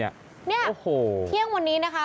นี่ที่เยื่องวันนี้นะคะ